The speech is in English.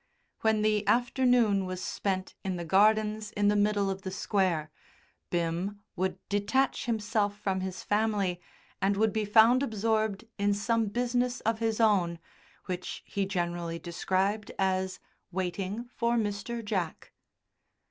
When the afternoon was spent in the gardens in the middle of the Square, Bim would detach himself from his family and would be found absorbed in some business of his own which he generally described as "waiting for Mr. Jack."